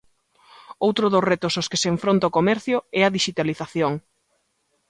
Outro dos retos aos que se enfronta o comercio é á dixitalización.